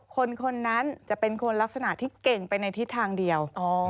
คนนั้นจะเป็นคนลักษณะที่เก่งไปในทิศทางเดียว